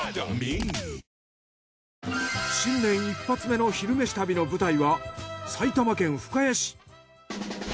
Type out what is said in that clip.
１発目の「昼めし旅」の舞台は埼玉県深谷市。